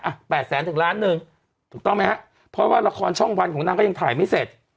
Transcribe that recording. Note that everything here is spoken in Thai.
แปดแสนถึงล้านหนึ่งถูกต้องไหมฮะเพราะว่าละครช่องวันของนางก็ยังถ่ายไม่เสร็จ